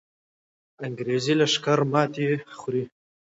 انګریزي لښکر ماتې خوري.